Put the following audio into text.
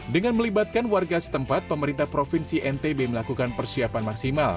dengan melibatkan warga setempat pemerintah provinsi ntb melakukan persiapan maksimal